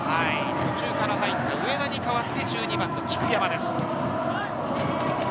途中から入った上田に代わって菊山です。